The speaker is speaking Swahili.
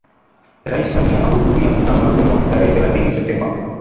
Rais Samia ahudhuria Mkutano wa Dodoma tarehe thelathini Septemba